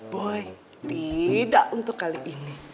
boy tidak untuk kali ini